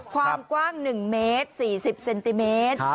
ความกว้าง๑เมตร๔๐เซนติเมตร